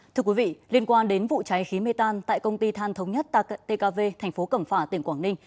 thưa quý vị liên quan đến vụ cháy khí mê tan tại công ty than thống nhất tkv thành phố cẩm phả tỉnh quảng ninh